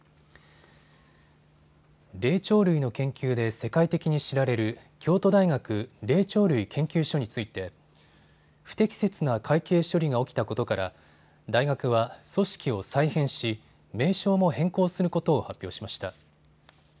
霊長類の研究で世界的に知られる京都大学霊長類研究所について不適切な会計処理が起きたことから大学は組織を再編し、名称も変更することを発表しました。